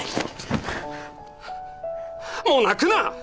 もう泣くな！